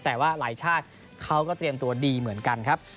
แต่ว่าหลายชาติเขาก็เตรียมตัวดีเหมือนกันครับ